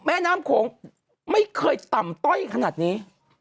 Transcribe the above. แม่น้ำโขงไม่เคยต่ำต้อยขนาดนี้